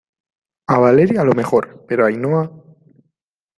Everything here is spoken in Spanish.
a Valeria a lo mejor, pero a Ainhoa